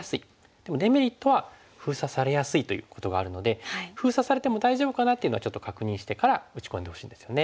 でもデメリットは封鎖されやすいということがあるので封鎖されても大丈夫かなっていうのはちょっと確認してから打ち込んでほしいんですよね。